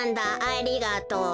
ありがとう」。